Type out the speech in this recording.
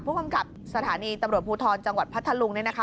ผู้กำกับสถานีตำรวจภูทรจังหวัดพัทธลุงเนี่ยนะคะ